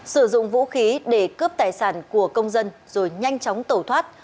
sử dụng vũ khí để cướp tài sản của công dân rồi nhanh chóng tẩu thoát